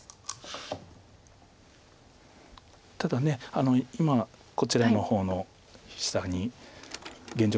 ただ今こちらの方の下に現状